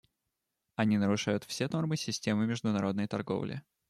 Они нарушают все нормы системы международной торговли.